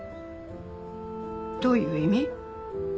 どういう意味？